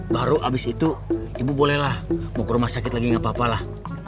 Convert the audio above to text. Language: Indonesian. baru habis itu ibu bolehlah mau ke rumah sakit lagi gak apa apa lah